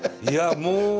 いやもう。